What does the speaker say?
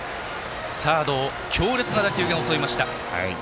サードを強烈な打球が襲いました。